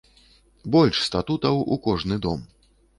Больш статутаў у кожны дом!